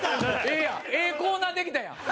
ええコーナーできたやん。